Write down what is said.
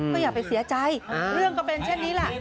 ก็อย่าไปเสียใจเรื่องก็เป็นเช่นนี้แหละ